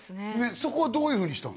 そこはどういうふうにしたの？